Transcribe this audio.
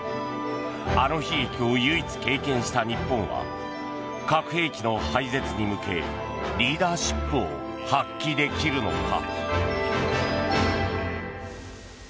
あの悲劇を唯一、経験した日本は核兵器の廃絶に向けリーダーシップを発揮できるのか。